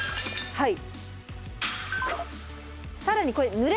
はい。